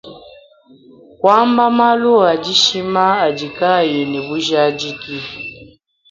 Kuamba malu adishima adi kaayi ne bujadiki.